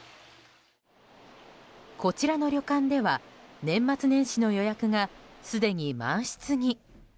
こちらの旅館では年末年始の予約がすでに満室に。